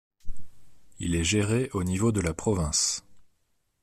Il est géré au niveau de la province.